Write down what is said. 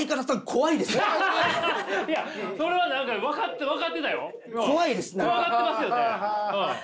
怖がってますよね！